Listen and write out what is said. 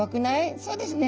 「そうですね」。